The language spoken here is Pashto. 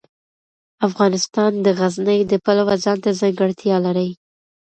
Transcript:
افغانستان د غزني د پلوه ځانته ځانګړتیا لري.